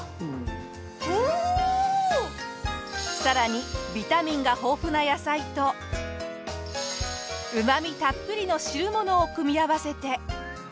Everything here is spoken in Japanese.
さらにビタミンが豊富な野菜とうまみたっぷりの汁物を組み合わせて。